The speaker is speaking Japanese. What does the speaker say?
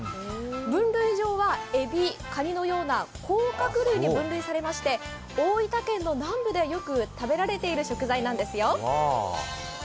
分類上は、えび、かにのような甲殻類に分類されまして、大分県の南部ではよく食べられている食材なんですよ。